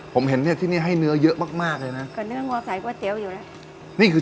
ปรุงให้เรียบร้อยหมดเลย